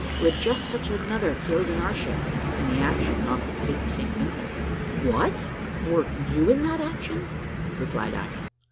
We had just such another killed in our ship, in the action off Cape St. Vincent." "What! were you in that action?" replied I.